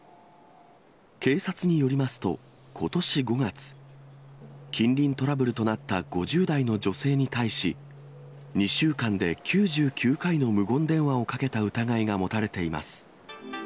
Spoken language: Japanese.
警察によりますと、ことし５月、近隣トラブルとなった５０代の女性に対し、２週間で９９回の無言電話をかけた疑いが持たれています。